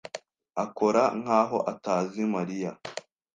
akora nkaho atazi Mariya.